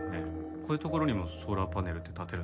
こういう所にもソーラーパネルって立てるんですか？